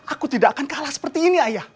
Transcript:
aku tidak akan kalah seperti ini ayah